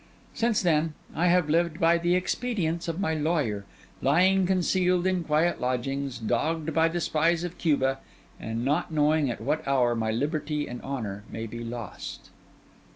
Since then, I have lived by the expedients of my lawyer, lying concealed in quiet lodgings, dogged by the spies of Cuba, and not knowing at what hour my liberty and honour may be lost.